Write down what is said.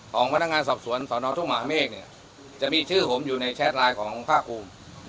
ของพนักงานสอบสวนสอนอทุ่งมหาเมฆเนี่ยจะมีชื่อผมอยู่ในแชทไลน์ของคุณภาคภูมิ